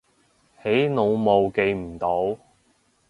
起腦霧記唔到